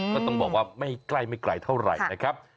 ก็ต้องบอกว่าไม่ใกล้ไม่ไกลเท่าไหร่นะครับ